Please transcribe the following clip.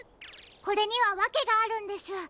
これにはわけがあるんです。